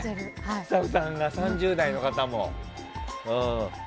スタッフさん、３０代の方も。